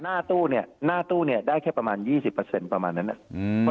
หน้าตู้เนี่ยหน้าตู้เนี่ยได้แค่ประมาณ๒๐ประมาณนั้นนะ